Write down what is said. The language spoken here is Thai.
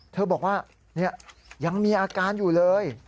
เธอบอกว่ายังมีอาการอยู่เลย